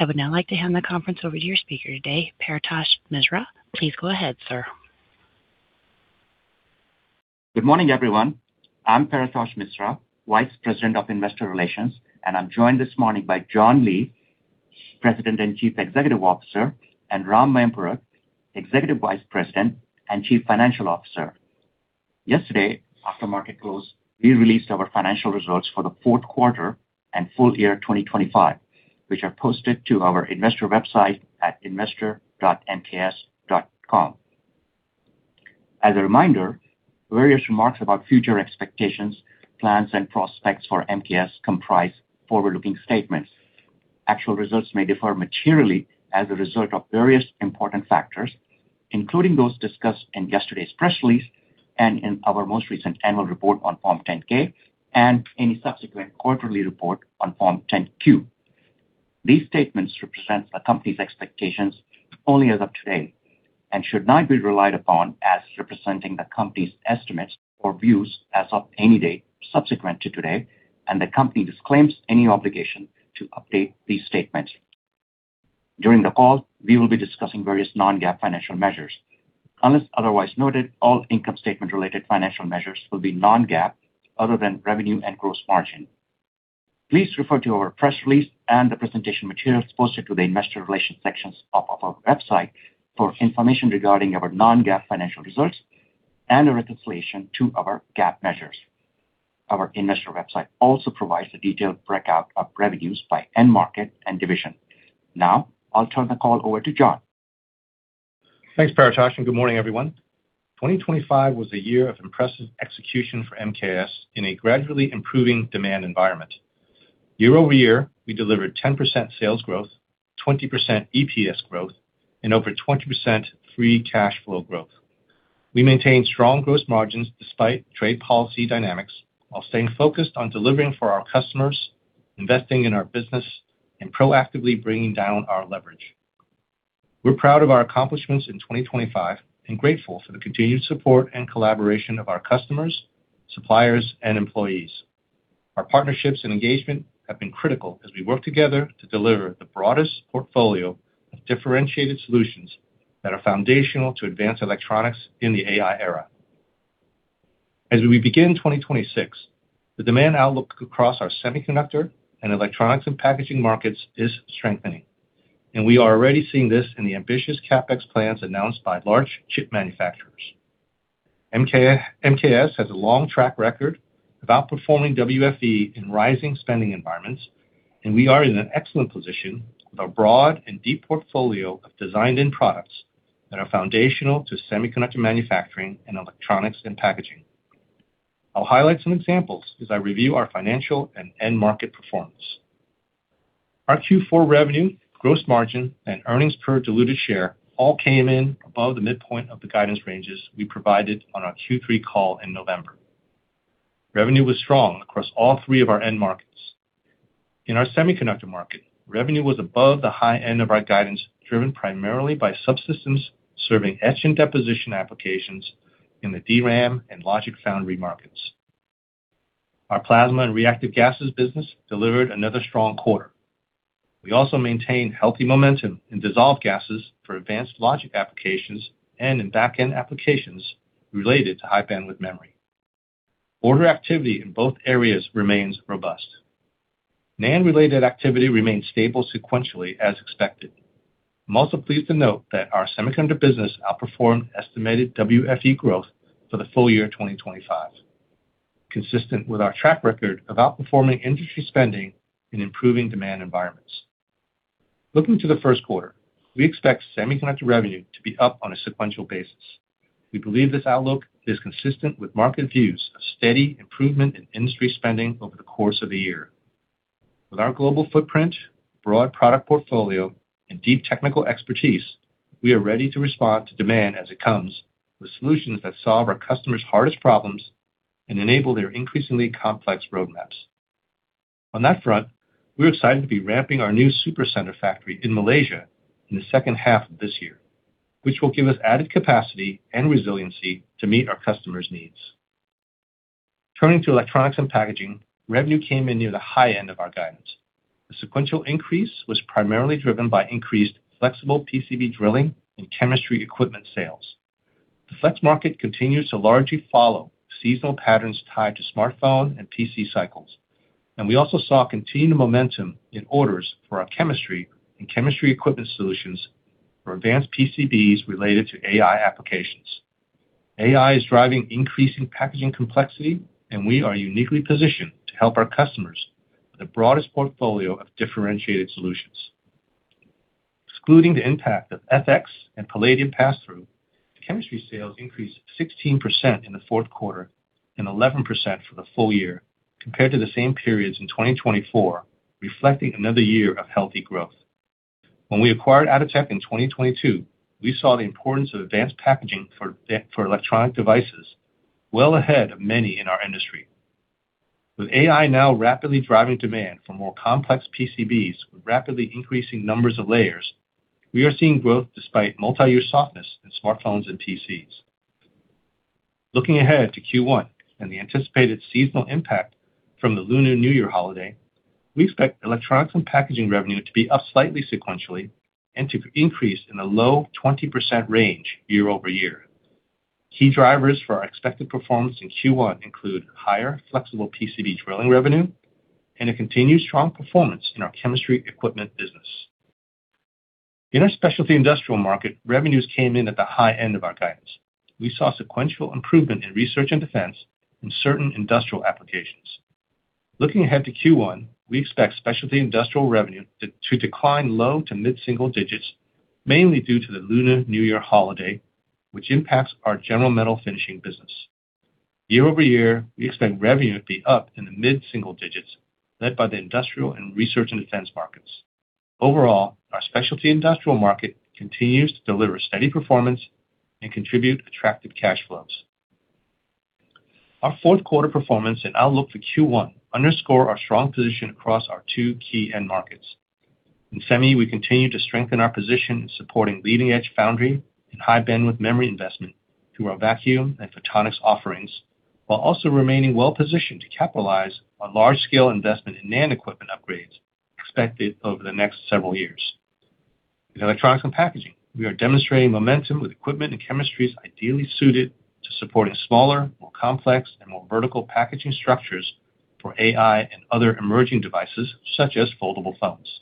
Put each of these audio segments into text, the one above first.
I would now like to hand the conference over to your speaker today, Paretosh Misra. Please go ahead, sir. Good morning, everyone. I'm Paretosh Misra, Vice President of Investor Relations, and I'm joined this morning by John Lee, President and Chief Executive Officer, and Ram Mayampurath, Executive Vice President and Chief Financial Officer. Yesterday, after market close, we released our financial results for the fourth quarter and full year 2025, which are posted to our investor website at investor.mksinst.com. As a reminder, various remarks about future expectations, plans, and prospects for MKS comprise forward-looking statements. Actual results may differ materially as a result of various important factors, including those discussed in yesterday's press release and in our most recent annual report on Form 10-K, and any subsequent quarterly report on Form 10-Q. These statements represent the company's expectations only as of today, and should not be relied upon as representing the company's estimates or views as of any date subsequent to today, and the company disclaims any obligation to update these statements. During the call, we will be discussing various non-GAAP financial measures. Unless otherwise noted, all income statement-related financial measures will be non-GAAP, other than revenue and gross margin. Please refer to our press release and the presentation materials posted to the Investor Relations sections of our website for information regarding our non-GAAP financial results and a reconciliation to our GAAP measures. Our investor website also provides a detailed breakout of revenues by end market and division. Now, I'll turn the call over to John. Thanks, Paretosh, and good morning, everyone. 2025 was a year of impressive execution for MKS in a gradually improving demand environment. Year-over-year, we delivered 10% sales growth, 20% EPS growth, and over 20% free cash flow growth. We maintained strong gross margins despite trade policy dynamics, while staying focused on delivering for our customers, investing in our business, and proactively bringing down our leverage. We're proud of our accomplishments in 2025 and grateful for the continued support and collaboration of our customers, suppliers, and employees. Our partnerships and engagement have been critical as we work together to deliver the broadest portfolio of differentiated solutions that are foundational to advanced electronics in the AI era. As we begin 2026, the demand outlook across our semiconductor and electronics and packaging markets is strengthening, and we are already seeing this in the ambitious CapEx plans announced by large chip manufacturers. MKS has a long track record of outperforming WFE in rising spending environments, and we are in an excellent position with a broad and deep portfolio of designed-in products that are foundational to semiconductor manufacturing and electronics and packaging. I'll highlight some examples as I review our financial and end market performance. Our Q4 revenue, gross margin, and earnings per diluted share all came in above the midpoint of the guidance ranges we provided on our Q3 call in November. Revenue was strong across all three of our end markets. In our semiconductor market, revenue was above the high end of our guidance, driven primarily by subsystems serving etch and deposition applications in the DRAM and logic foundry markets. Our plasma and reactive gases business delivered another strong quarter. We also maintained healthy momentum in dissolved gases for advanced logic applications and in back-end applications related to high-bandwidth memory. Order activity in both areas remains robust. NAND-related activity remains stable sequentially, as expected. I'm also pleased to note that our semiconductor business outperformed estimated WFE growth for the full year 2025, consistent with our track record of outperforming industry spending in improving demand environments. Looking to the first quarter, we expect semiconductor revenue to be up on a sequential basis. We believe this outlook is consistent with market views of steady improvement in industry spending over the course of the year. With our global footprint, broad product portfolio, and deep technical expertise, we are ready to respond to demand as it comes, with solutions that solve our customers' hardest problems and enable their increasingly complex roadmaps. On that front, we're excited to be ramping our new Super Center factory in Malaysia in the second half of this year, which will give us added capacity and resiliency to meet our customers' needs. Turning to electronics and packaging, revenue came in near the high end of our guidance. The sequential increase was primarily driven by increased flexible PCB drilling and chemistry equipment sales. The flex market continues to largely follow seasonal patterns tied to smartphone and PC cycles, and we also saw continued momentum in orders for our chemistry and chemistry equipment solutions for advanced PCBs related to AI applications. AI is driving increasing packaging complexity, and we are uniquely positioned to help our customers with the broadest portfolio of differentiated solutions. Excluding the impact of FX and palladium pass-through, the chemistry sales increased 16% in the fourth quarter and 11% for the full year, compared to the same periods in 2024, reflecting another year of healthy growth. When we acquired Atotech in 2022, we saw the importance of advanced packaging for electronic devices well ahead of many in our industry. With AI now rapidly driving demand for more complex PCBs, with rapidly increasing numbers of layers, we are seeing growth despite multiyear softness in smartphones and PCs. Looking ahead to Q1 and the anticipated seasonal impact from the Lunar New Year holiday, we expect electronics and packaging revenue to be up slightly sequentially and to increase in a low 20% range year-over-year. Key drivers for our expected performance in Q1 include higher flexible PCB drilling revenue and a continued strong performance in our chemistry equipment business. In our specialty industrial market, revenues came in at the high end of our guidance. We saw sequential improvement in research and defense in certain industrial applications. Looking ahead to Q1, we expect specialty industrial revenue to decline low- to mid-single digits, mainly due to the Lunar New Year holiday, which impacts our general metal finishing business. Year-over-year, we expect revenue to be up in the mid-single digits, led by the industrial and research and defense markets. Overall, our specialty industrial market continues to deliver steady performance and contribute attractive cash flows. Our fourth quarter performance and outlook for Q1 underscore our strong position across our two key end markets. In semi, we continue to strengthen our position in supporting leading-edge foundry and high-bandwidth memory investment through our vacuum and photonics offerings, while also remaining well-positioned to capitalize on large-scale investment in NAND equipment upgrades expected over the next several years. In electronics and packaging, we are demonstrating momentum with equipment and chemistries ideally suited to supporting smaller, more complex, and more vertical packaging structures for AI and other emerging devices, such as foldable phones.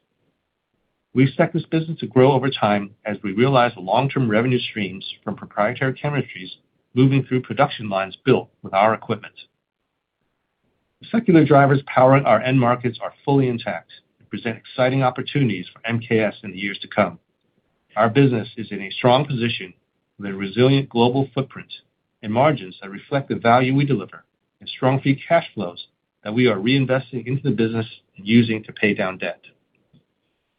We expect this business to grow over time as we realize the long-term revenue streams from proprietary chemistries moving through production lines built with our equipment. The secular drivers powering our end markets are fully intact and present exciting opportunities for MKS in the years to come. Our business is in a strong position, with a resilient global footprint and margins that reflect the value we deliver, and strong free cash flows that we are reinvesting into the business and using to pay down debt.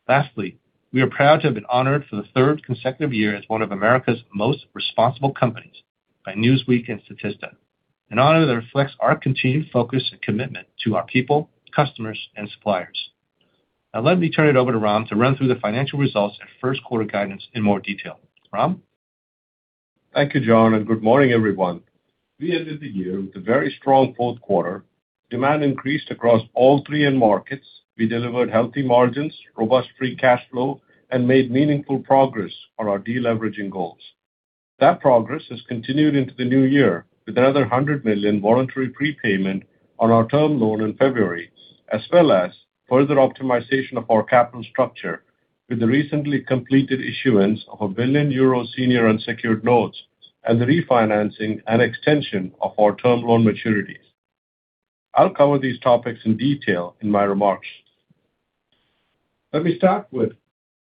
Lastly, we are proud to have been honored for the third consecutive year as one of America's most responsible companies by Newsweek and Statista, an honor that reflects our continued focus and commitment to our people, customers, and suppliers. Now, let me turn it over to Ram to run through the financial results and first quarter guidance in more detail. Ram? Thank you, John, and good morning, everyone. We ended the year with a very strong fourth quarter. Demand increased across all three end markets. We delivered healthy margins, robust free cash flow, and made meaningful progress on our deleveraging goals. That progress has continued into the new year, with another $100 million voluntary prepayment on our term loan in February, as well as further optimization of our capital structure with the recently completed issuance of 1 billion euro senior unsecured notes and the refinancing and extension of our term loan maturities. I'll cover these topics in detail in my remarks. Let me start with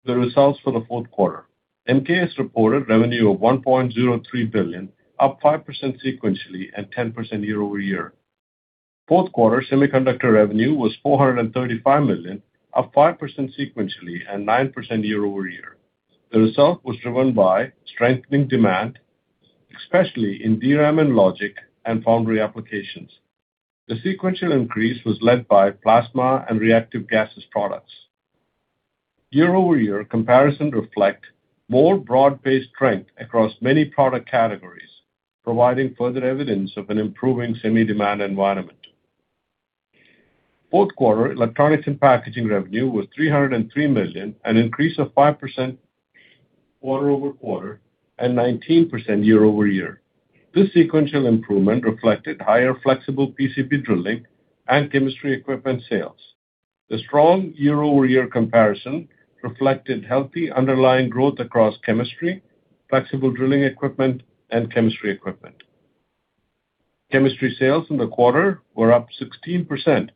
the results for the fourth quarter. MKS reported revenue of $1.03 billion, up 5% sequentially and 10% year over year. Fourth quarter semiconductor revenue was $435 million, up 5% sequentially and 9% year over year. The result was driven by strengthening demand, especially in DRAM and logic and foundry applications. The sequential increase was led by plasma and reactive gases products. Year-over-year comparison reflect more broad-based strength across many product categories, providing further evidence of an improving semi demand environment. Fourth quarter electronics and packaging revenue was $303 million, an increase of 5% quarter-over-quarter and 19% year-over-year. This sequential improvement reflected higher flexible PCB drilling and chemistry equipment sales. The strong year-over-year comparison reflected healthy underlying growth across chemistry, flexible drilling equipment, and chemistry equipment. Chemistry sales in the quarter were up 16%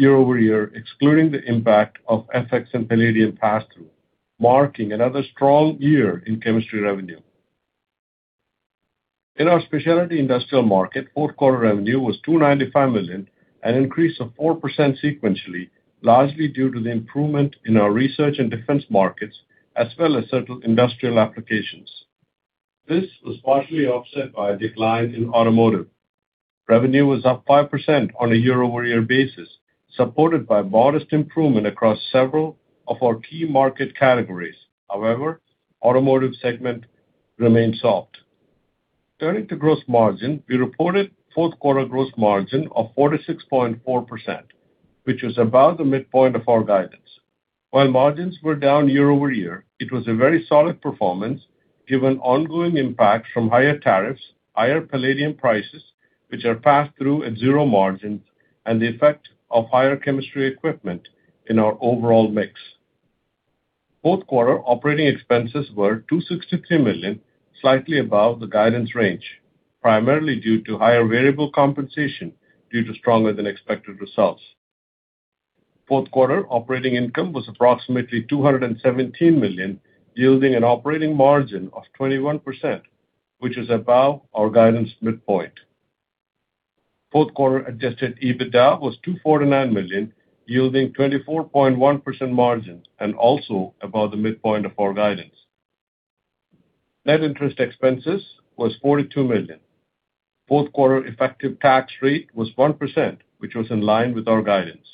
year-over-year, excluding the impact of FX and palladium pass-through, marking another strong year in chemistry revenue. In our specialty industrial market, fourth quarter revenue was $295 million, an increase of 4% sequentially, largely due to the improvement in our research and defense markets, as well as certain industrial applications. This was partially offset by a decline in automotive. Revenue was up 5% on a year-over-year basis, supported by modest improvement across several of our key market categories. However, automotive segment remained soft. Turning to gross margin, we reported fourth quarter gross margin of 46.4%, which was above the midpoint of our guidance. While margins were down year over year, it was a very solid performance, given ongoing impact from higher tariffs, higher palladium prices, which are passed through at zero margins, and the effect of higher chemistry equipment in our overall mix. Fourth quarter operating expenses were $263 million, slightly above the guidance range, primarily due to higher variable compensation due to stronger than expected results. Fourth quarter operating income was approximately $217 million, yielding an operating margin of 21%, which is above our guidance midpoint. Fourth quarter adjusted EBITDA was $249 million, yielding 24.1% margin and also above the midpoint of our guidance. Net interest expenses was $42 million. Fourth quarter effective tax rate was 1%, which was in line with our guidance.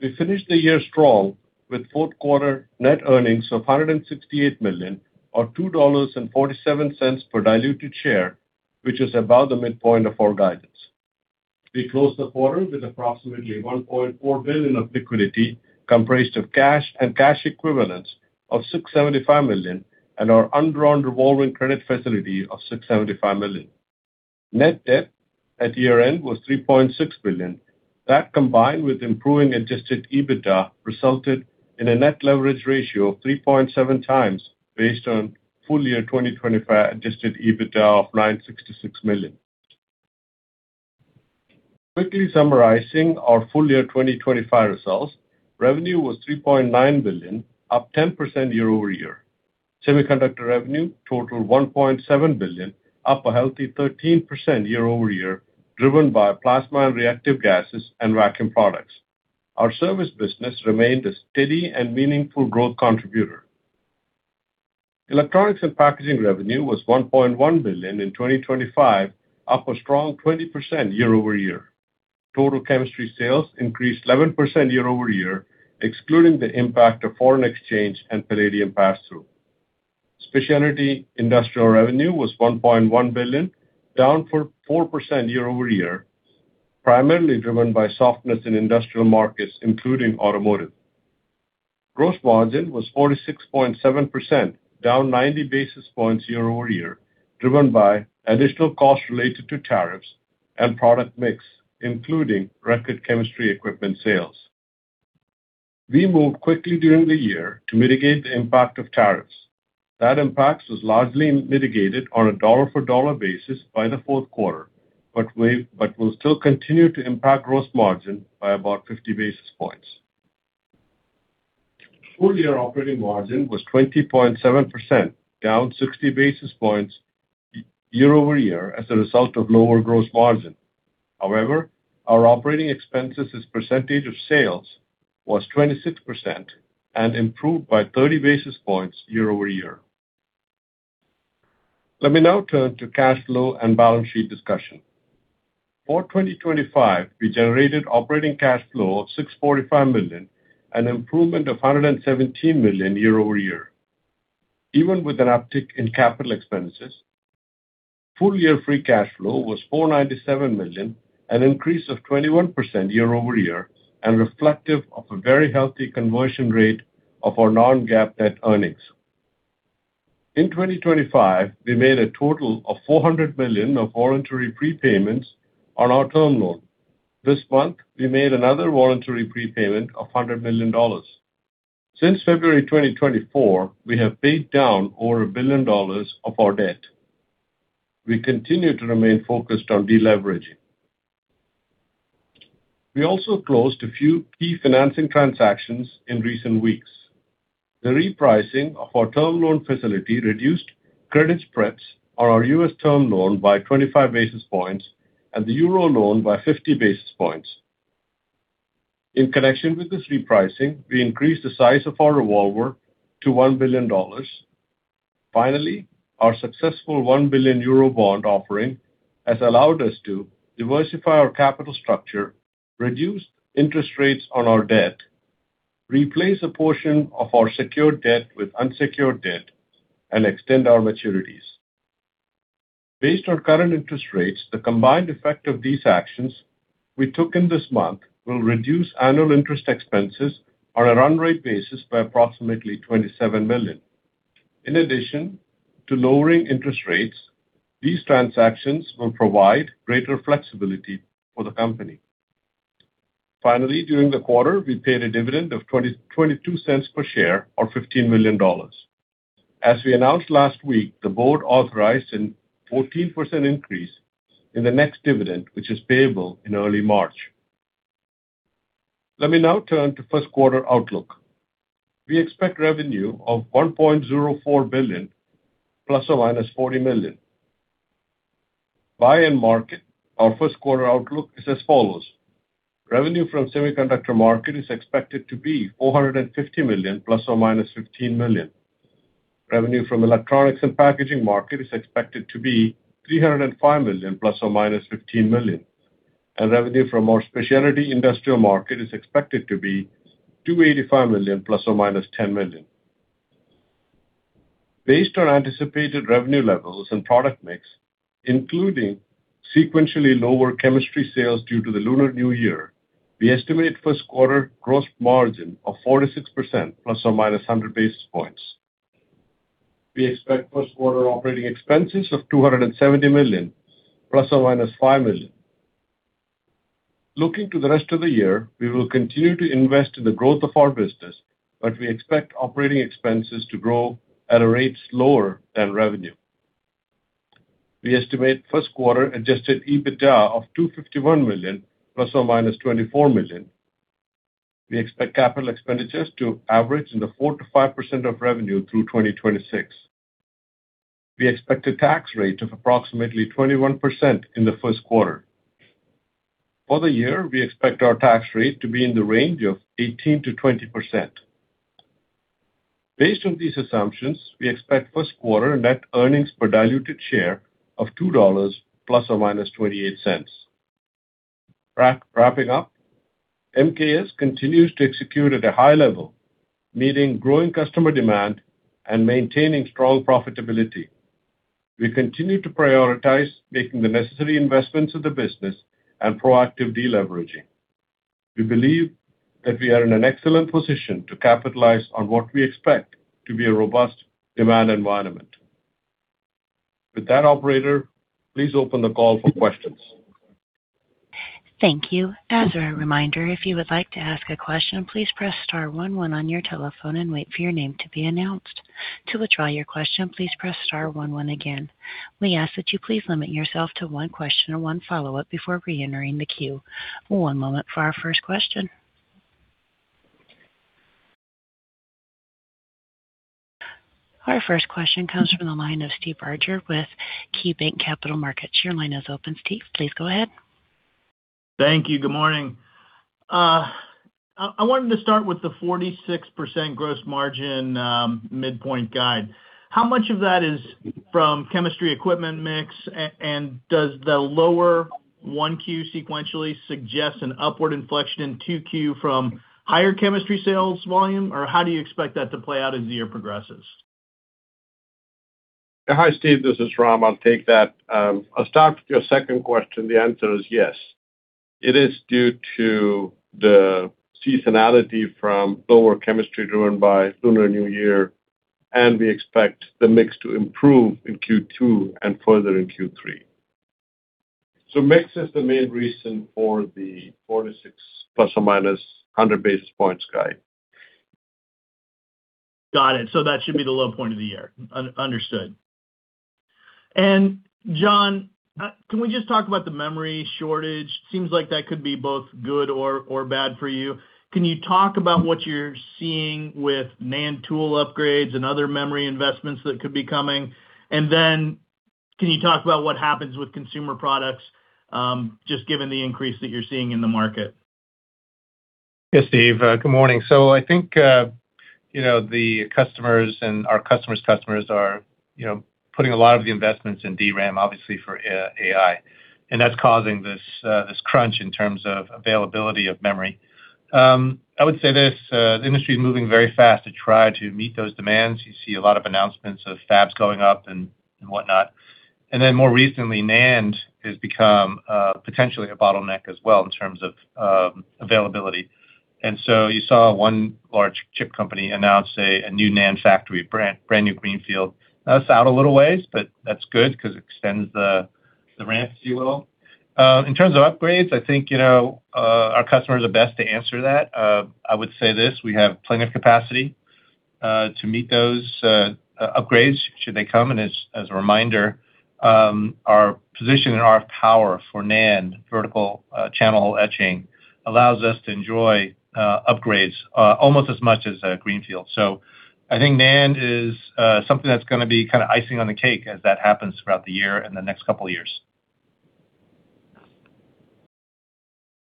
We finished the year strong, with fourth quarter net earnings of $168 million, or $2.47 per diluted share, which is above the midpoint of our guidance. We closed the quarter with approximately $1.4 billion of liquidity, comprised of cash and cash equivalents of $675 million, and our undrawn revolving credit facility of $675 million. Net debt at year-end was $3.6 billion. That, combined with improving adjusted EBITDA, resulted in a net leverage ratio of 3.7 times, based on full-year 2025 adjusted EBITDA of $966 million. Quickly summarizing our full-year 2025 results, revenue was $3.9 billion, up 10% year-over-year. Semiconductor revenue totaled $1.7 billion, up a healthy 13% year-over-year, driven by plasma and reactive gases and vacuum products. Our service business remained a steady and meaningful growth contributor. Electronics and packaging revenue was $1.1 billion in 2025, up a strong 20% year-over-year. Total chemistry sales increased 11% year-over-year, excluding the impact of foreign exchange and palladium pass-through. Specialty industrial revenue was $1.1 billion, down 4% year-over-year, primarily driven by softness in industrial markets, including automotive. Gross margin was 46.7%, down 90 basis points year-over-year, driven by additional costs related to tariffs and product mix, including record chemistry equipment sales. We moved quickly during the year to mitigate the impact of tariffs. That impact was largely mitigated on a dollar-for-dollar basis by the fourth quarter, but we will still continue to impact gross margin by about 50 basis points. Full-year operating margin was 20.7%, down 60 basis points year-over-year as a result of lower gross margin. However, our operating expenses as percentage of sales was 26% and improved by 30 basis points year-over-year. Let me now turn to cash flow and balance sheet discussion. For 2025, we generated operating cash flow of $645 million, an improvement of $117 million year-over-year. Even with an uptick in capital expenses, full-year free cash flow was $497 million, an increase of 21% year-over-year, and reflective of a very healthy conversion rate of our non-GAAP net earnings. In 2025, we made a total of $400 million of voluntary prepayments on our term loan. This month, we made another voluntary prepayment of $100 million. Since February 2024, we have paid down over $1 billion of our debt. We continue to remain focused on deleveraging. We also closed a few key financing transactions in recent weeks. The repricing of our term loan facility reduced credit spreads on our U.S. term loan by 25 basis points and the euro loan by 50 basis points. In connection with this repricing, we increased the size of our revolver to $1 billion. Finally, our successful 1 billion euro bond offering has allowed us to diversify our capital structure, reduce interest rates on our debt, replace a portion of our secured debt with unsecured debt, and extend our maturities. Based on current interest rates, the combined effect of these actions we took in this month will reduce annual interest expenses on a run-rate basis by approximately $27 million. In addition to lowering interest rates, these transactions will provide greater flexibility for the company. Finally, during the quarter, we paid a dividend of 22 cents per share, or $15 million. As we announced last week, the board authorized a 14% increase in the next dividend, which is payable in early March. Let me now turn to first quarter outlook. We expect revenue of $1.04 billion ±$40 million. By end market, our first quarter outlook is as follows: Revenue from semiconductor market is expected to be $450 million ±$15 million. Revenue from electronics and packaging market is expected to be $305 million ±$15 million, and revenue from our specialty industrial market is expected to be $285 million ±$10 million. Based on anticipated revenue levels and product mix, including sequentially lower chemistry sales due to the Lunar New Year, we estimate first quarter gross margin of 46%, ±100 basis points. We expect first quarter operating expenses of $270 million, ±$5 million. Looking to the rest of the year, we will continue to invest in the growth of our business, but we expect operating expenses to grow at a rate slower than revenue. We estimate first quarter adjusted EBITDA of $251 million, ±$24 million. We expect capital expenditures to average in the 4%-5% of revenue through 2026. We expect a tax rate of approximately 21% in the first quarter. For the year, we expect our tax rate to be in the range of 18%-20%. Based on these assumptions, we expect first quarter net earnings per diluted share of $2 ± 0.28. Wrap, wrapping up, MKS continues to execute at a high level, meeting growing customer demand and maintaining strong profitability. We continue to prioritize making the necessary investments in the business and proactive deleveraging. We believe that we are in an excellent position to capitalize on what we expect to be a robust demand environment. With that, operator, please open the call for questions. Thank you. As a reminder, if you would like to ask a question, please press star one one on your telephone and wait for your name to be announced. To withdraw your question, please press star one one again. We ask that you please limit yourself to one question or one follow-up before reentering the queue. One moment for our first question. Our first question comes from the line of Steve Barger with KeyBanc Capital Markets. Your line is open, Steve. Please go ahead. Thank you. Good morning. I wanted to start with the 46% gross margin midpoint guide. How much of that is from chemistry equipment mix? And does the lower 1Q sequentially suggest an upward inflection in 2Q from higher chemistry sales volume? Or how do you expect that to play out as the year progresses? Hi, Steve, this is Ram. I'll take that. I'll start with your second question. The answer is yes. It is due to the seasonality from lower chemistry driven by Lunar New Year, and we expect the mix to improve in Q2 and further in Q3. So mix is the main reason for the 46 ± 100 basis points guide. Got it. So that should be the low point of the year. Understood. And John, can we just talk about the memory shortage? Seems like that could be both good or bad for you. Can you talk about what you're seeing with NAND tool upgrades and other memory investments that could be coming? And then can you talk about what happens with consumer products, just given the increase that you're seeing in the market? Yes, Steve, good morning. So I think, you know, the customers and our customers' customers are, you know, putting a lot of the investments in DRAM, obviously, for AI, and that's causing this crunch in terms of availability of memory. I would say this, the industry is moving very fast to try to meet those demands. You see a lot of announcements of fabs going up and whatnot. And then more recently, NAND has become potentially a bottleneck as well in terms of availability. And so you saw one large chip company announce a new NAND factory, brand-new greenfield. That's out a little ways, but that's good because it extends the ramp, if you will. In terms of upgrades, I think, you know, our customers are best to answer that. I would say this, we have plenty of capacity to meet those upgrades should they come. And as a reminder, our position and our power for NAND vertical channel etching allows us to enjoy upgrades almost as much as a greenfield. So I think NAND is something that's gonna be kind of icing on the cake as that happens throughout the year and the next couple of years.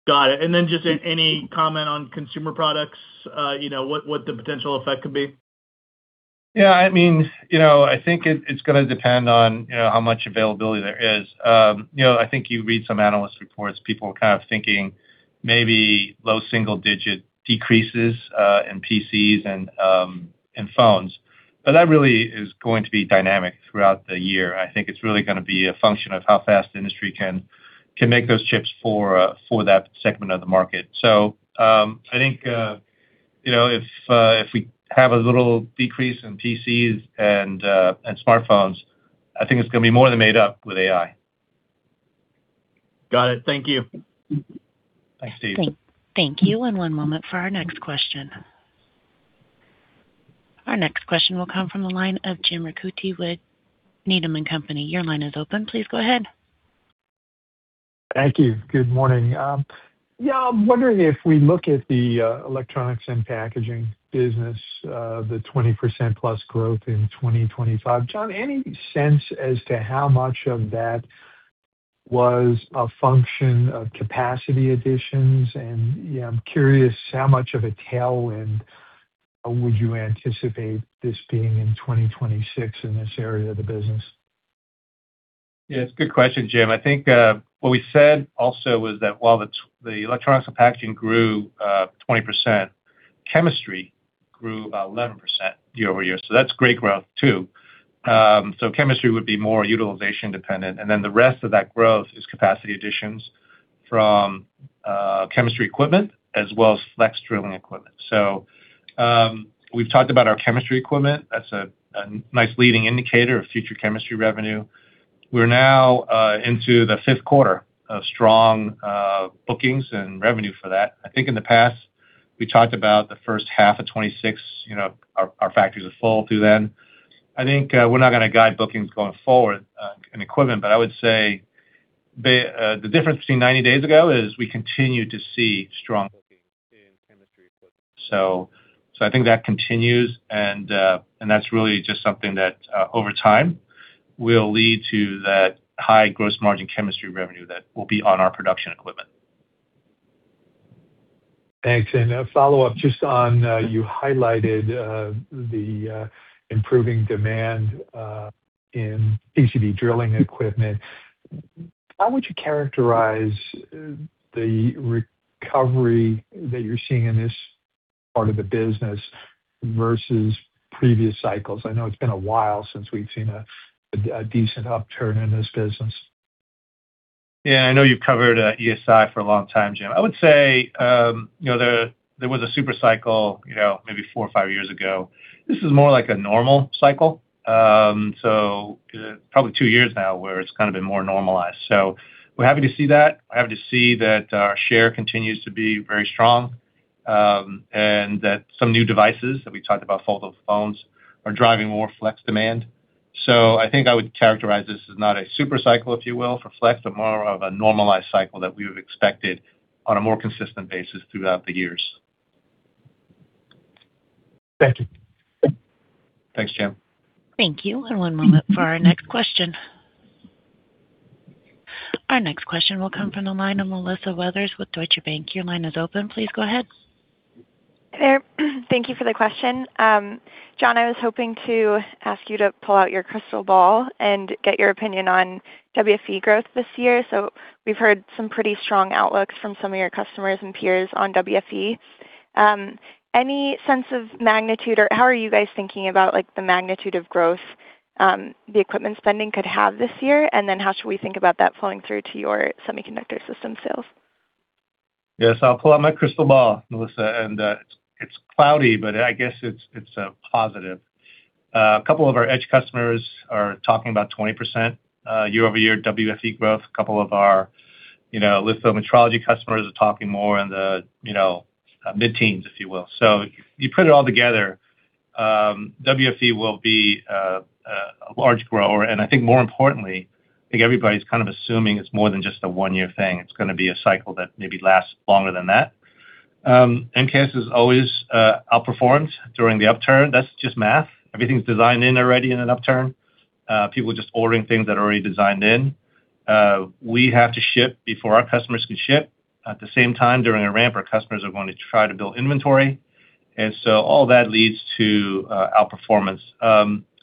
Got it. And then just any comment on consumer products, you know, what the potential effect could be? Yeah, I mean, you know, I think it's gonna depend on, you know, how much availability there is. You know, I think you read some analyst reports, people were kind of thinking maybe low single digit decreases in PCs and in phones, but that really is going to be dynamic throughout the year. I think it's really gonna be a function of how fast the industry can make those chips for that segment of the market. You know, if we have a little decrease in PCs and smartphones, I think it's gonna be more than made up with AI. Got it. Thank you. Thanks, Steve. Thank you. One moment for our next question. Our next question will come from the line of Jim Ricchiuti with Needham & Company. Your line is open. Please go ahead. Thank you. Good morning. Yeah, I'm wondering if we look at the electronics and packaging business, the 20%+ growth in 2025. John, any sense as to how much of that was a function of capacity additions? And, yeah, I'm curious, how much of a tailwind would you anticipate this being in 2026 in this area of the business? Yeah, it's a good question, Jim. I think what we said also was that while the electronics and packaging grew 20%, chemistry grew about 11% year-over-year. So that's great growth, too. So chemistry would be more utilization dependent, and then the rest of that growth is capacity additions from chemistry equipment as well as flex drilling equipment. So we've talked about our chemistry equipment. That's a nice leading indicator of future chemistry revenue. We're now into the fifth quarter of strong bookings and revenue for that. I think in the past, we talked about the first half of 2026, you know, our factories are full through then. I think, we're not gonna guide bookings going forward, in equipment, but I would say the difference between 90 days ago is we continue to see strong booking in chemistry. So, I think that continues, and that's really just something that, over time, will lead to that high gross margin chemistry revenue that will be on our production equipment. Thanks. And a follow-up just on, you highlighted, the improving demand in PCB drilling equipment. How would you characterize the recovery that you're seeing in this part of the business versus previous cycles? I know it's been a while since we've seen a decent upturn in this business. Yeah, I know you've covered ESI for a long time, Jim. I would say, you know, there, there was a super cycle, you know, maybe four or five years ago. This is more like a normal cycle. So probably two years now where it's kind of been more normalized. So we're happy to see that. We're happy to see that our share continues to be very strong, and that some new devices that we talked about, foldable phones, are driving more flex demand. So I think I would characterize this as not a super cycle, if you will, for flex, but more of a normalized cycle that we would have expected on a more consistent basis throughout the years. Thank you. Thanks, Jim. Thank you. One moment for our next question. Our next question will come from the line of Melissa Weathers with Deutsche Bank. Your line is open. Please go ahead. Hi there. Thank you for the question. John, I was hoping to ask you to pull out your crystal ball and get your opinion on WFE growth this year. So we've heard some pretty strong outlooks from some of your customers and peers on WFE. Any sense of magnitude, or how are you guys thinking about, like, the magnitude of growth, the equipment spending could have this year? And then how should we think about that flowing through to your semiconductor system sales? Yes, I'll pull out my crystal ball, Melissa, and it's cloudy, but I guess it's positive. A couple of our edge customers are talking about 20% year-over-year WFE growth. A couple of our, you know, litho metrology customers are talking more in the, you know, mid-teens, if you will. So you put it all together, WFE will be a large grower, and I think more importantly, I think everybody's kind of assuming it's more than just a one-year thing. It's going to be a cycle that maybe lasts longer than that. MKS has always outperformed during the upturn. That's just math. Everything's designed in already in an upturn. People are just ordering things that are already designed in. We have to ship before our customers can ship. At the same time, during a ramp, our customers are going to try to build inventory, and so all that leads to outperformance.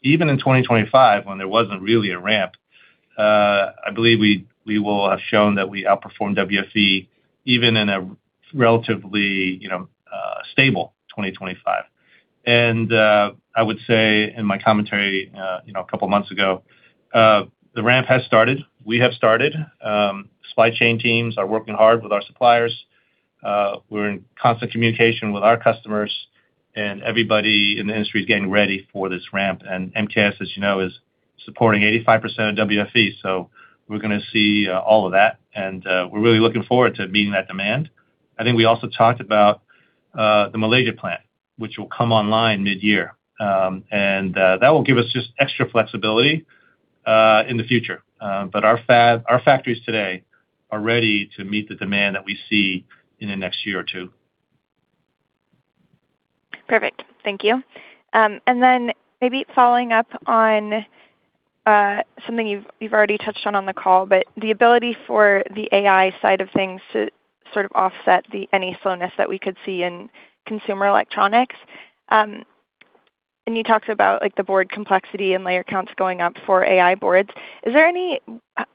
Even in 2025, when there wasn't really a ramp, I believe we will have shown that we outperformed WFE even in a relatively, you know, stable 2025. I would say in my commentary, you know, a couple of months ago, the ramp has started. We have started. Supply chain teams are working hard with our suppliers. We're in constant communication with our customers, and everybody in the industry is getting ready for this ramp. And MKS, as you know, is supporting 85% of WFE, so we're going to see all of that, and we're really looking forward to meeting that demand. I think we also talked about the Malaysia plant, which will come online mid-year. And that will give us just extra flexibility in the future. But our fab, our factories today are ready to meet the demand that we see in the next year or two. Perfect. Thank you. Maybe following up on something you've already touched on on the call, the ability for the AI side of things to sort of offset any slowness that we could see in consumer electronics. You talked about, like, the board complexity and layer counts going up for AI boards. Is there any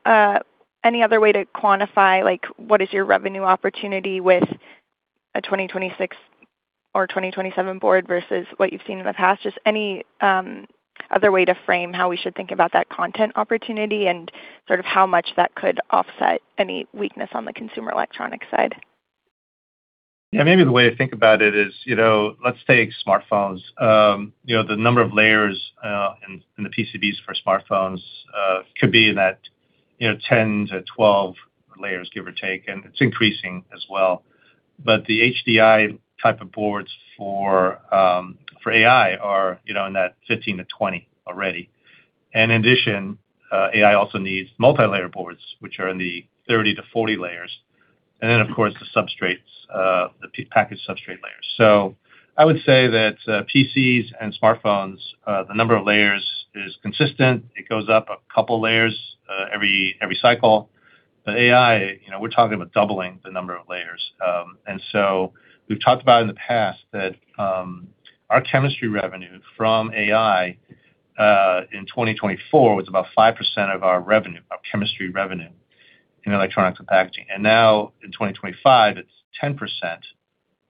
other way to quantify, like, what is your revenue opportunity with a 2026 or 2027 board versus what you've seen in the past? Just any other way to frame how we should think about that content opportunity and sort of how much that could offset any weakness on the consumer electronic side? Yeah, maybe the way to think about it is, you know, let's take smartphones. You know, the number of layers in the PCBs for smartphones could be in that 10-12 layers, give or take, and it's increasing as well. But the HDI type of boards for AI are, you know, in that 15-20 already. And in addition, AI also needs multilayer boards, which are in the 30-40 layers, and then, of course, the substrates, the package substrate layers. So I would say that PCs and smartphones, the number of layers is consistent. It goes up a couple layers every cycle. But AI, you know, we're talking about doubling the number of layers. And so we've talked about in the past that, our chemistry revenue from AI, in 2024 was about 5% of our revenue, our chemistry revenue in electronic packaging. And now in 2025, it's 10%,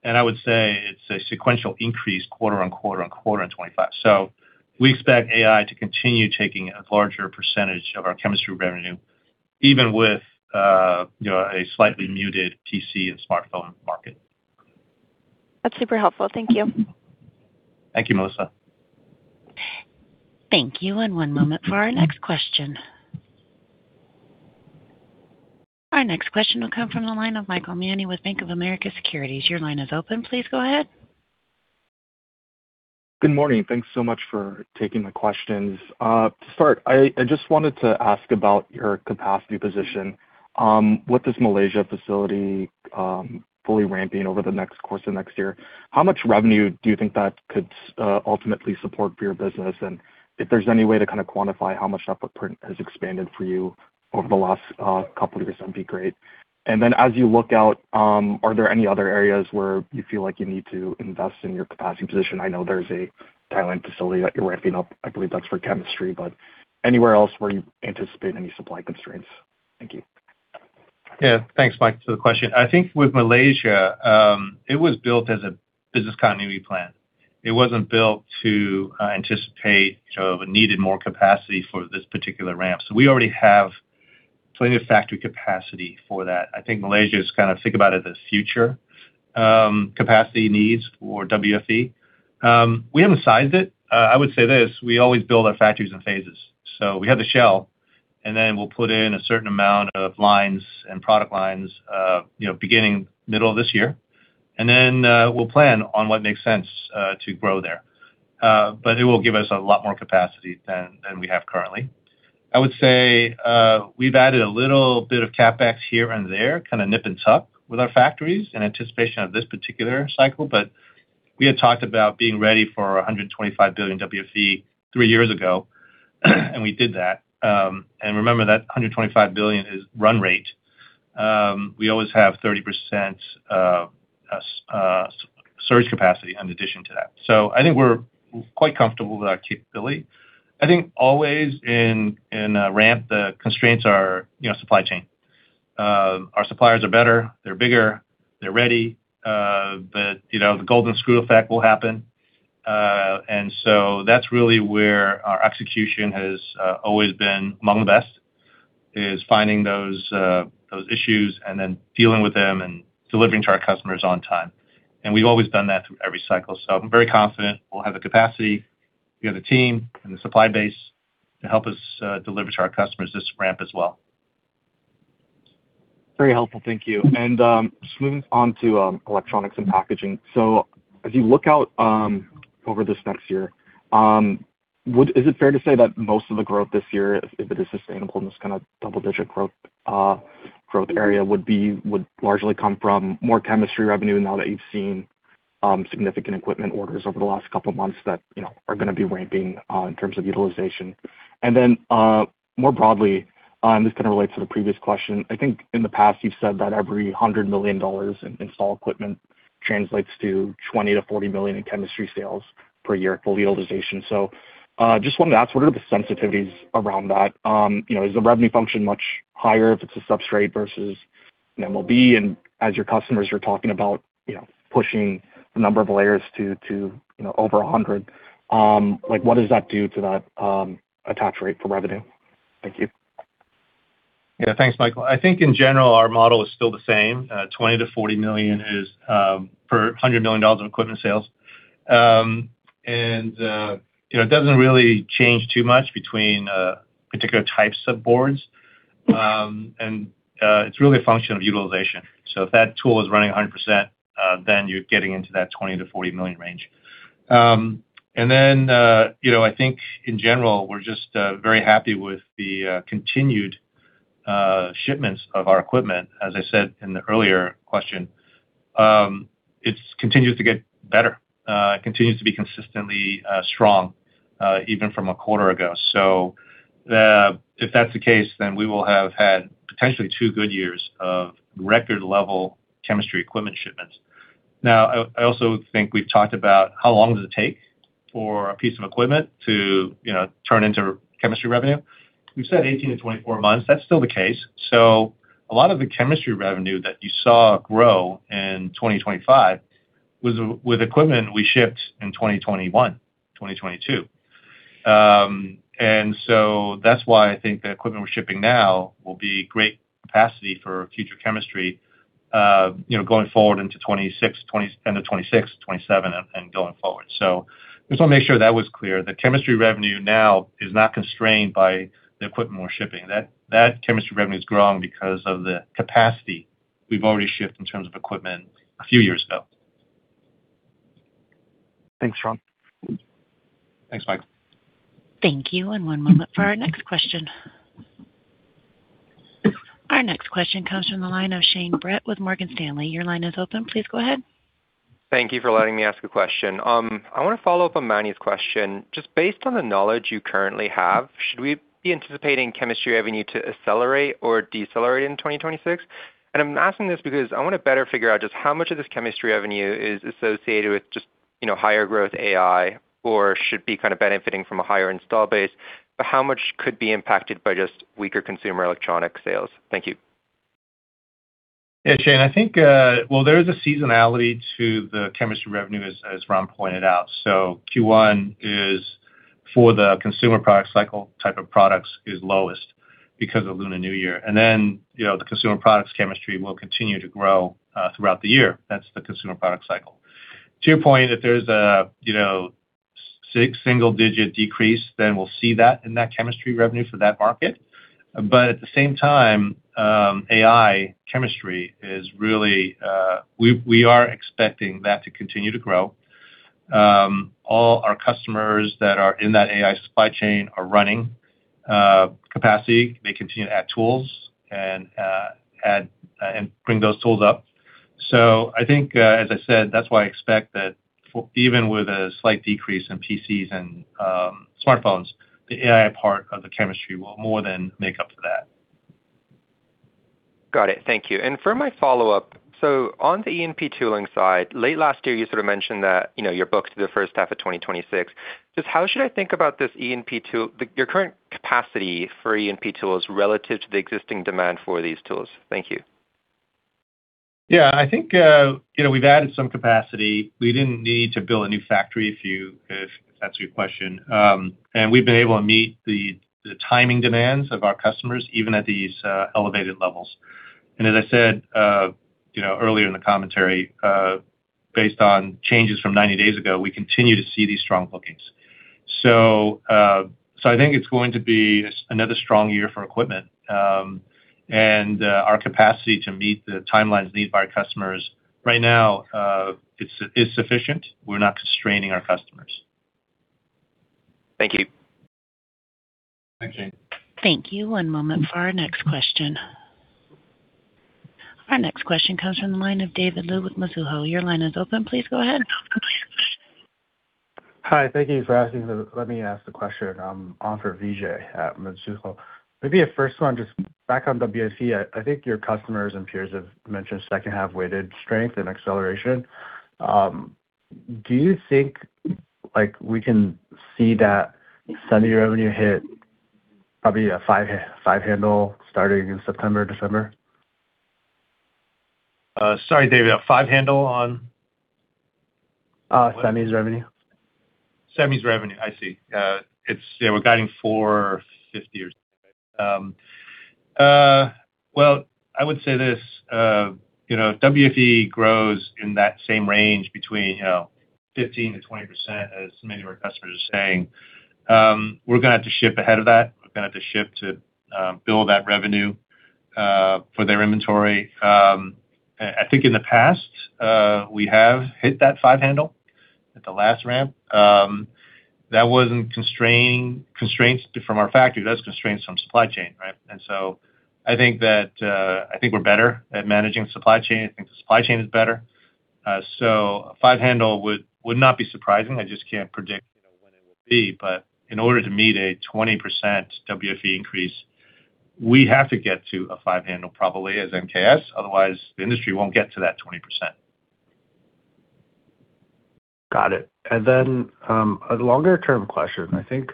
and I would say it's a sequential increase quarter on quarter on quarter in 2025. So we expect AI to continue taking a larger percentage of our chemistry revenue, even with, you know, a slightly muted PC and smartphone market. That's super helpful. Thank you. Thank you, Melissa. Thank you, and one moment for our next question. Our next question will come from the line of Michael Mani with Bank of America Securities. Your line is open. Please go ahead. Good morning. Thanks so much for taking the questions. To start, I just wanted to ask about your capacity position. With this Malaysia facility, fully ramping over the next course of next year, how much revenue do you think that could ultimately support for your business? And if there's any way to kind of quantify how much that footprint has expanded for you over the last couple of years, that'd be great. And then as you look out, are there any other areas where you feel like you need to invest in your capacity position? I know there's a Thailand facility that you're ramping up. I believe that's for chemistry, but anywhere else where you anticipate any supply constraints? Thank you. Yeah, thanks, Mike, for the question. I think with Malaysia, it was built as a business continuity plan. It wasn't built to, anticipate sort of a needed more capacity for this particular ramp. So we already have plenty of factory capacity for that. I think Malaysia is kind of think about it as future, capacity needs for WFE. We haven't sized it. I would say this, we always build our factories in phases. So we have the shell, and then we'll put in a certain amount of lines and product lines, you know, beginning middle of this year, and then, we'll plan on what makes sense, to grow there. But it will give us a lot more capacity than, than we have currently. I would say, we've added a little bit of CapEx here and there, kind of nip and tuck with our factories in anticipation of this particular cycle, but we had talked about being ready for a $125 billion WFE three years ago, and we did that. And remember that $125 billion is run rate. We always have 30% surge capacity in addition to that. So I think we're quite comfortable with our capability. I think always in ramp, the constraints are, you know, supply chain. Our suppliers are better, they're bigger, they're ready, but, you know, the golden screw effect will happen. And so that's really where our execution has always been among the best, is finding those issues and then dealing with them and delivering to our customers on time. We've always done that through every cycle, so I'm very confident we'll have the capacity. We have the team and the supply base to help us deliver to our customers this ramp as well. Very helpful. Thank you. Just moving on to electronics and packaging. As you look out over this next year, is it fair to say that most of the growth this year, if it is sustainable, this kind of double-digit growth, growth area, would be, would largely come from more chemistry revenue now that you've seen significant equipment orders over the last couple of months that, you know, are going to be ramping in terms of utilization? More broadly, this kind of relates to the previous question. I think in the past, you've said that every $100 million in installed equipment translates to $20 million-$40 million in chemistry sales per year, full utilization. Just wanted to ask, what are the sensitivities around that? You know, is the revenue function much higher if it's a substrate versus an MLB? And as your customers are talking about, you know, pushing the number of layers to over 100, like, what does that do to that attach rate for revenue? Thank you. Yeah. Thanks, Michael. I think in general, our model is still the same. Twenty to forty million is per hundred million dollars in equipment sales. And, you know, it doesn't really change too much between particular types of boards. And, it's really a function of utilization. So if that tool is running a hundred percent, then you're getting into that twenty to forty million range. And then, you know, I think in general, we're just very happy with the continued shipments of our equipment. As I said in the earlier question, it continues to get better, continues to be consistently strong, even from a quarter ago. So, if that's the case, then we will have had potentially two good years of record-level chemistry equipment shipments. Now, I, I also think we've talked about how long does it take for a piece of equipment to, you know, turn into chemistry revenue. We've said 18-24 months. That's still the case. So a lot of the chemistry revenue that you saw grow in 2025 was with equipment we shipped in 2021, 2022. And so that's why I think the equipment we're shipping now will be great capacity for future chemistry, you know, going forward into 2026, end of 2026, 2027 and going forward. So just want to make sure that was clear. The chemistry revenue now is not constrained by the equipment we're shipping. That, that chemistry revenue is growing because of the capacity we've already shipped in terms of equipment a few years ago. Thanks, Ram. Thanks, Michael. Thank you, and one moment for our next question. Our next question comes from the line of Shane Brett with Morgan Stanley. Your line is open. Please go ahead. Thank you for letting me ask a question. I want to follow up on Manny's question. Just based on the knowledge you currently have, should we be anticipating chemistry revenue to accelerate or decelerate in 2026? And I'm asking this because I want to better figure out just how much of this chemistry revenue is associated with just, you know, higher growth AI, or should be kind of benefiting from a higher install base, but how much could be impacted by just weaker consumer electronic sales? Thank you. Yeah, Shane, I think, well, there is a seasonality to the chemistry revenue, as Ram pointed out. So Q1 is for the consumer product cycle, type of products, is lowest because of Lunar New Year. And then, you know, the consumer products chemistry will continue to grow throughout the year. That's the consumer product cycle. To your point, if there's a, you know, six single-digit decrease, then we'll see that in that chemistry revenue for that market. But at the same time, AI chemistry is really, we are expecting that to continue to grow. All our customers that are in that AI supply chain are running capacity. They continue to add tools and bring those tools up. I think, as I said, that's why I expect that even with a slight decrease in PCs and smartphones, the AI part of the chemistry will more than make up for that. Got it. Thank you. And for my follow-up, so on the E&P tooling side, late last year, you sort of mentioned that, you know, you're booked to the first half of 2026. Just how should I think about this E&P tool, your current capacity for E&P tools relative to the existing demand for these tools? Thank you. Yeah, I think, you know, we've added some capacity. We didn't need to build a new factory, if you, if to answer your question. And we've been able to meet the timing demands of our customers, even at these elevated levels. And as I said, you know, earlier in the commentary, based on changes from 90 days ago, we continue to see these strong bookings. So, so I think it's going to be another strong year for equipment, and our capacity to meet the timelines needed by our customers right now is sufficient. We're not constraining our customers. Thank you. Thank you. Thank you. One moment for our next question. Our next question comes from the line of David Lu with Mizuho. Your line is open. Please go ahead. Hi, thank you for asking. Let me ask the question on for Vijay at Mizuho. Maybe a first one, just back on WFE, I think your customers and peers have mentioned second half weighted strength and acceleration. Do you think, like, we can see that semi revenue hit probably a 55 handle starting in September, December? Sorry, David, a five handle on? Semis revenue. Semis revenue. I see. It's, yeah, we're guiding $450 or... Well, I would say this, you know, WFE grows in that same range between, you know, 15%-20%, as many of our customers are saying. We're gonna have to ship ahead of that. We're gonna have to ship to build that revenue for their inventory. I, I think in the past, we have hit that five handle at the last ramp. That wasn't constraining, constraints from our factory, that's constraints from supply chain, right? And so I think that, I think we're better at managing supply chain. I think the supply chain is better. So a five handle would, would not be surprising. I just can't predict, you know, when it will be. But in order to meet a 20% WFE increase, we have to get to a five handle probably as MKS, otherwise, the industry won't get to that 20%. Got it. And then, a longer-term question. I think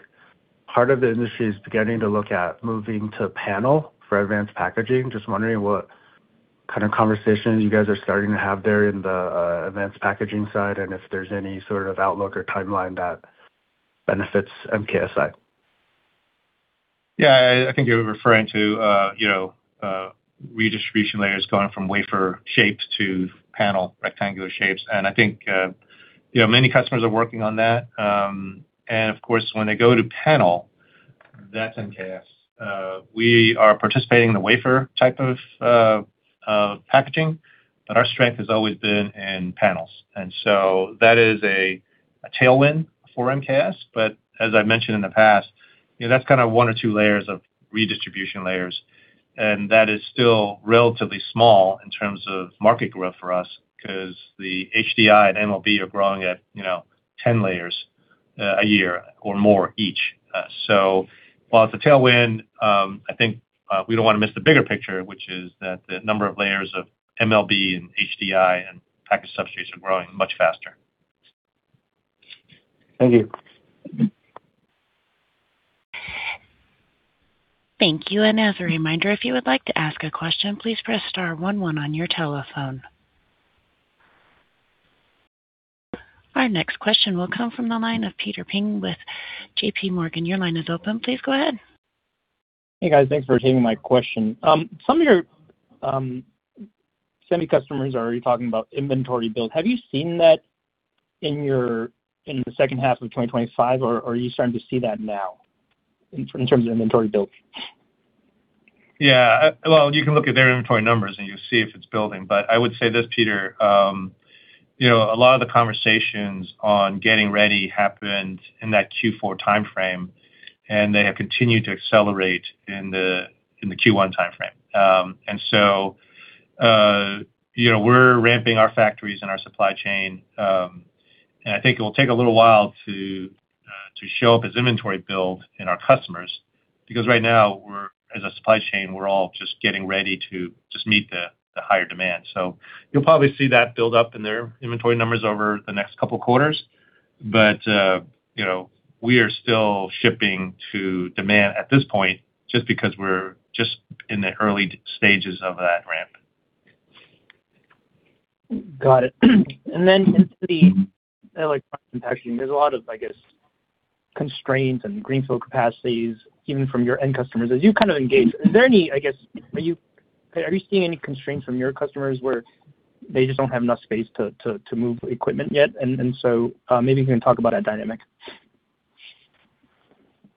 part of the industry is beginning to look at moving to panel for advanced packaging. Just wondering what kind of conversations you guys are starting to have there in the advanced packaging side, and if there's any sort of outlook or timeline that benefits MKSI? Yeah, I think you're referring to, you know, redistribution layers going from wafer shapes to panel, rectangular shapes. And I think, you know, many customers are working on that. And of course, when they go to panel, that's MKS. We are participating in the wafer type of packaging, but our strength has always been in panels. And so that is a tailwind for MKS. But as I mentioned in the past, you know, that's kind of one or two layers of redistribution layers, and that is still relatively small in terms of market growth for us, 'cause the HDI and MLB are growing at, you know, 10 layers a year or more each. So while it's a tailwind, I think, we don't want to miss the bigger picture, which is that the number of layers of MLB and HDI and packaged substrates are growing much faster. Thank you. Thank you. And as a reminder, if you would like to ask a question, please press star one one on your telephone. Our next question will come from the line of Peter Peng with JPMorgan. Your line is open. Please go ahead. Hey, guys. Thanks for taking my question. Some of your semi customers are already talking about inventory build. Have you seen that in the second half of 2025, or are you starting to see that now in terms of inventory build? Yeah. Well, you can look at their inventory numbers, and you'll see if it's building. But I would say this, Peter, you know, a lot of the conversations on getting ready happened in that Q4 timeframe, and they have continued to accelerate in the Q1 timeframe. And so, you know, we're ramping our factories and our supply chain, and I think it will take a little while to show up as inventory build in our customers, because right now, we're, as a supply chain, we're all just getting ready to meet the higher demand. So you'll probably see that build up in their inventory numbers over the next couple quarters. But, you know, we are still shipping to demand at this point, just because we're just in the early stages of that ramp. Got it. And then in the, like, packaging, there's a lot of, I guess, constraints and greenfield capacities, even from your end customers. As you kind of engage, is there any... I guess, are you, are you seeing any constraints from your customers where they just don't have enough space to, to, to move equipment yet? And, so, maybe you can talk about that dynamic.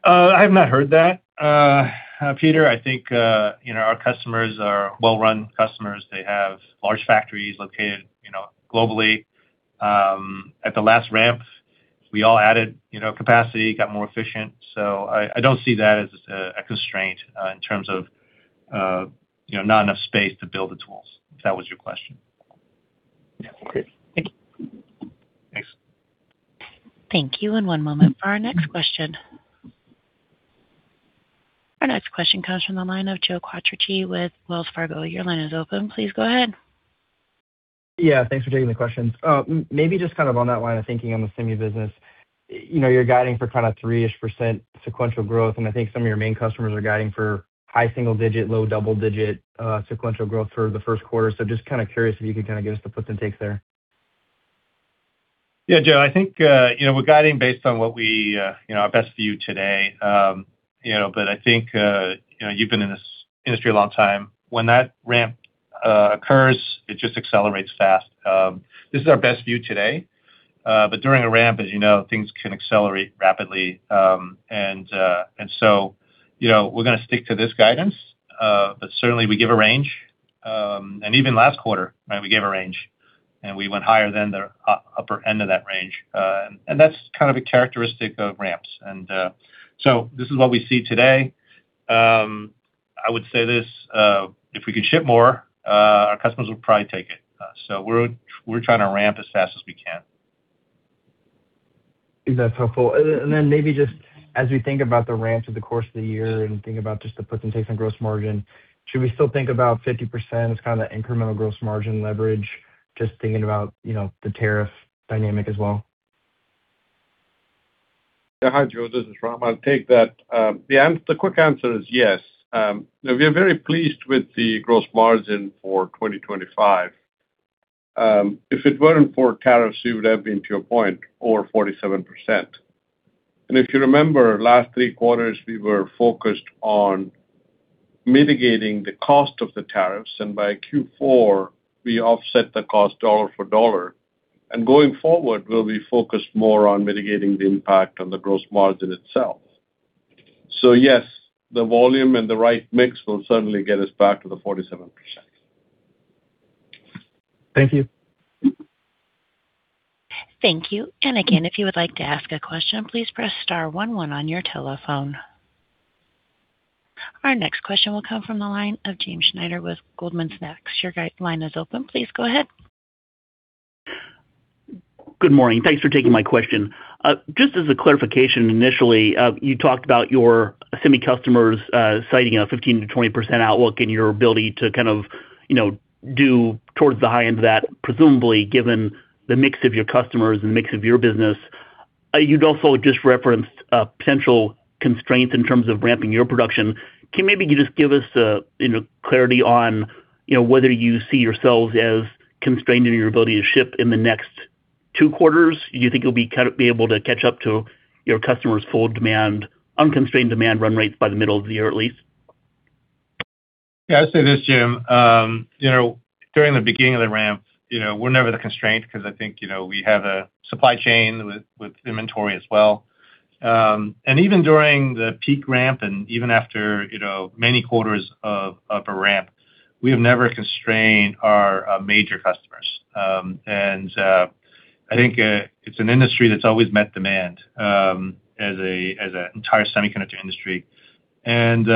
I have not heard that, Peter. I think, you know, our customers are well-run customers. They have large factories located, you know, globally. At the last ramp, we all added, you know, capacity, got more efficient. So I don't see that as a constraint in terms of, you know, not enough space to build the tools, if that was your question. Yeah. Great. Thank you. Thanks. Thank you, and one moment for our next question. Our next question comes from the line of Joe Quatrochi with Wells Fargo. Your line is open. Please go ahead. Yeah, thanks for taking the questions. Maybe just kind of on that line of thinking on the semi business, you know, you're guiding for kind of 3%-ish sequential growth, and I think some of your main customers are guiding for high single-digit, low double-digit sequential growth for the first quarter. So just kind of curious if you could kind of give us the puts and takes there. Yeah, Joe, I think, you know, we're guiding based on what we, you know, our best view today. You know, but I think, you know, you've been in this industry a long time. When that ramp occurs, it just accelerates fast. This is our best view today, but during a ramp, as you know, things can accelerate rapidly. And, and so, you know, we're gonna stick to this guidance, but certainly we give a range. And even last quarter, right, we gave a range, and we went higher than the upper end of that range. And that's kind of a characteristic of ramps. And, so this is what we see today. I would say this, if we could ship more, our customers would probably take it. We're trying to ramp as fast as we can. That's helpful. And then maybe just as we think about the ramps over the course of the year and think about just the puts and takes on gross margin, should we still think about 50% as kind of the incremental gross margin leverage, just thinking about, you know, the tariff dynamic as well? Yeah. Hi, Joe. This is Ram. I'll take that. The quick answer is yes. Now we are very pleased with the gross margin for 2025. If it weren't for tariffs, we would have been, to your point, over 47%. And if you remember, last three quarters, we were focused on mitigating the cost of the tariffs, and by Q4, we offset the cost dollar for dollar. And going forward, we'll be focused more on mitigating the impact on the gross margin itself. So yes, the volume and the right mix will certainly get us back to the 47%. Thank you. Thank you. And again, if you would like to ask a question, please press star one one on your telephone. Our next question will come from the line of James Schneider with Goldman Sachs. Your line is open. Please go ahead. Good morning. Thanks for taking my question. Just as a clarification, initially, you talked about your semi customers, citing a 15%-20% outlook in your ability to kind of, you know, do towards the high end of that, presumably, given the mix of your customers and the mix of your business. You'd also just referenced a potential constraint in terms of ramping your production. Can you maybe just give us a, you know, clarity on, you know, whether you see yourselves as constrained in your ability to ship in the next two quarters? Do you think you'll be kind of be able to catch up to your customers' full demand, unconstrained demand run rates by the middle of the year, at least? Yeah, I'd say this, Jim. You know, during the beginning of the ramp, you know, we're never the constraint because I think, you know, we have a supply chain with inventory as well. And even during the peak ramp, and even after, you know, many quarters of a ramp, we have never constrained our major customers. And I think it's an industry that's always met demand as an entire semiconductor industry. And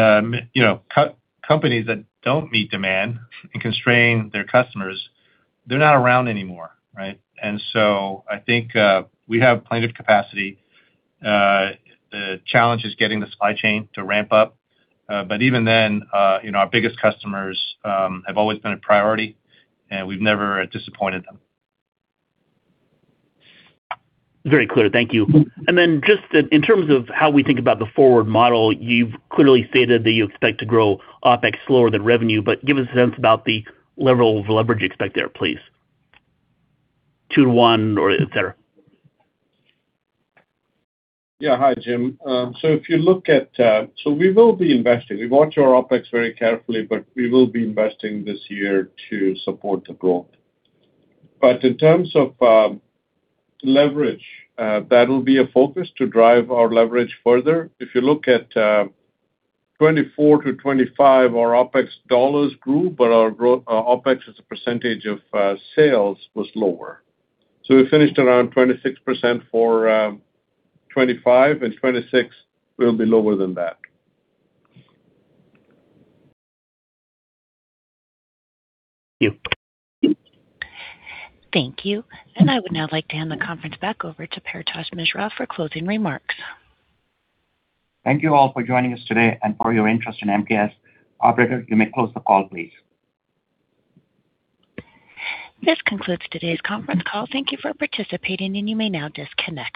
you know, companies that don't meet demand and constrain their customers, they're not around anymore, right? And so I think we have plenty of capacity. The challenge is getting the supply chain to ramp up, but even then, you know, our biggest customers have always been a priority, and we've never disappointed them. Very clear. Thank you. And then just in terms of how we think about the forward model, you've clearly stated that you expect to grow OpEx slower than revenue, but give us a sense about the level of leverage you expect there, please. Two to one or et cetera. Yeah. Hi, Jim. So we will be investing. We watch our OpEx very carefully, but we will be investing this year to support the growth. But in terms of leverage, that will be a focus to drive our leverage further. If you look at 2024-2025, our OpEx dollars grew, but our OpEx as a percentage of sales was lower. So we finished around 26% for 2025, and 2026 will be lower than that. Thank you. Thank you. I would now like to hand the conference back over to Paretosh Misra for closing remarks. Thank you all for joining us today and for your interest in MKS. Operator, you may close the call, please. This concludes today's conference call. Thank you for participating, and you may now disconnect.